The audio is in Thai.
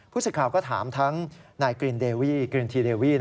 ผู้สื่อข่าวก็ถามทั้งนายกลินไดวิ